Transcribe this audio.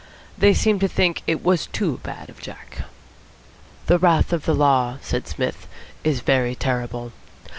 They seemed to think it was too bad of Jack. "The wrath of the Law," said Psmith, "is very terrible.